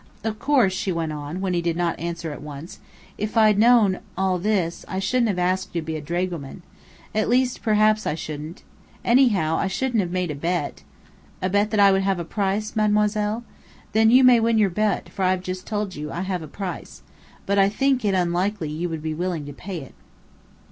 "Of course," she went on, when he did not answer at once, "if I'd known all this, I shouldn't have asked you to be a dragoman. At least, perhaps I shouldn't. Anyhow, I shouldn't have made a bet " "A bet that I would have a 'price,' Mademoiselle? Then you may win your bet, for I've just told you; I have a price. But I think it unlikely you would be willing to pay it."